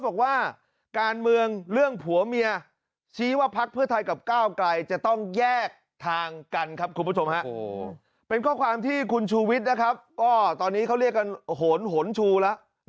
เป็นข้อความที่คุณชูวิทย์อ่อนตอนนี้เขาเรียกกันโหนผมชูระ